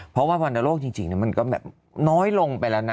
เพราะว่าวรรณโรคจริงมันก็แบบน้อยลงไปแล้วนะ